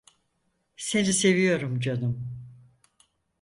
Seni seviyorum canım.